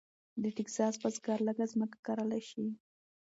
د ټیکساس بزګر لږه ځمکه کرلی شي.